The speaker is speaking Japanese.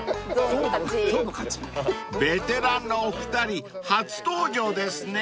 ［ベテランのお二人初登場ですね］